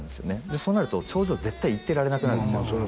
そうなると頂上絶対行ってられなくなるんですよ